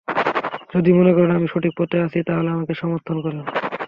যদি মনে করেন আমি সঠিক পথে আছি, তাহলে আমাকে সমর্থন করুন।